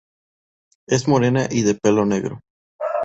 Es morena y de pelo negro.